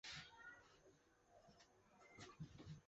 权臣郑检拥立黎除的后裔黎维邦做皇帝。